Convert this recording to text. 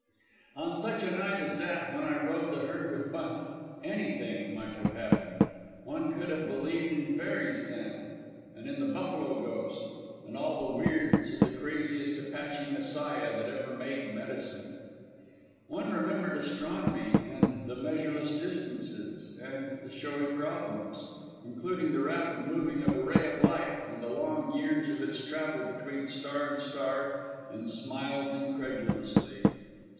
On such a night as that when I rode the herd with Bunt anything might have happened; one could have believed in fairies then, and in the buffalo ghost, and in all the weirds of the craziest Apache "Messiah" that ever made medicine. One remembered astronomy and the "measureless distances" and the showy problems, including the rapid moving of a ray of light and the long years of its travel between star and star, and smiled incredulously.